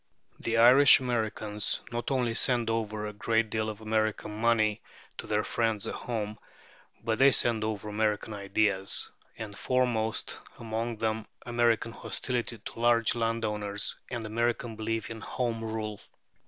The Irish Americans not only send over a great deal of American money to their friends at home, but they send over American ideas, and foremost among them American hostility to large landowners, and American belief in Home Rule.